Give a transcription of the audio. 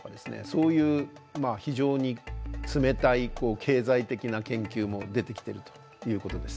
そういう非常に冷たい経済的な研究も出てきてるということです。